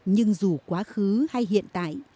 nhưng dù quá khứ hay hiện tại